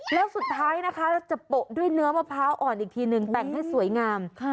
และสุดท้ายจะปลูกด้วยเนอะมะพร้าวอ่อนอีกทีเนี่ยแสดงให้สวยงาม